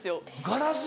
ガラス